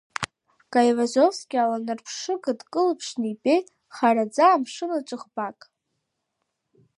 Гаивазовски аланарԥшыга дкылԥшны ибеит хараӡа амшын аҿы ӷбак.